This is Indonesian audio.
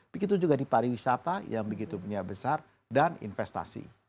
begitu juga di pariwisata yang begitu punya besar dan investasi